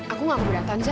aku gak keberatan zaa